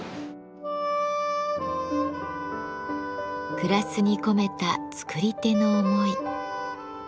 グラスに込めた作り手の思い。